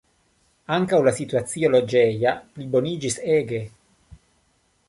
Ankaŭ la situacio loĝeja pliboniĝis ege.